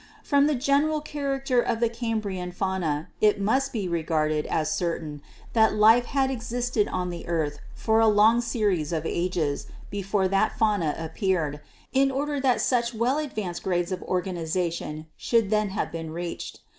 From the general character of the Cambrian fauna it must be regarded as certain that life had existed on the earth for a long series of ages before that fauna appeared, in order that such well advanced grades of organization should then have been reached.